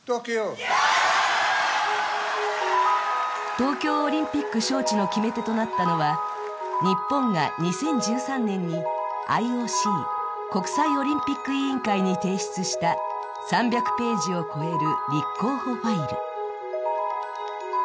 東京オリンピック招致の決め手となったのは日本が２０１３年にＩＯＣ＝国際オリンピック委員会に提出した３００ページを超える立候補ファイル。